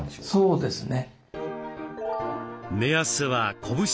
そうですね。